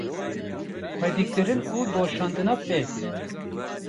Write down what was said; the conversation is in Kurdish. xwedîkirin û doşandina pez